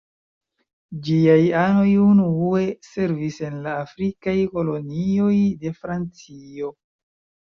Ĝiaj anoj unue servis en la afrikaj kolonioj de Francio.